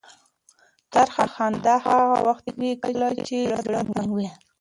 ترخه خندا هغه وخت وي کله چې زړه تنګ وي.